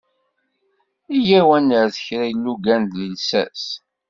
Yya-w ad nerret kra ilugan deg llsas.